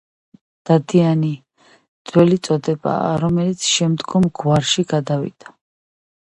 დადიანი ძველი წოდებაა, რომელიც შემდგომ გვარში გადავიდა.